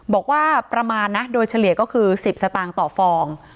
บอกว่าประมาณนะโดยเฉลี่ยก็คือ๑๐สตางค์ต่อฟอง